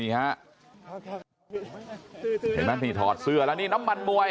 เห็นไหมที่ถอดเสื้อแล้วนี่น้ำมันมวย